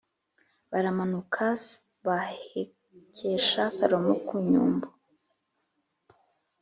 baramanuka bahekesha Salomo ku nyumbu